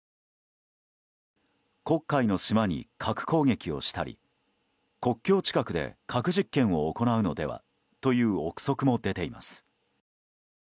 黒海の島に核攻撃をしたり国境近くで核実験を行うのではという憶測も出ています。